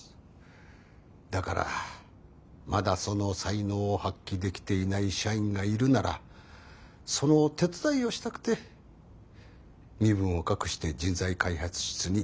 だからまだその才能を発揮できていない社員がいるならその手伝いをしたくて身分を隠して人材開発室に出向いていました。